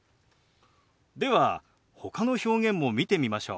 ではほかの表現も見てみましょう。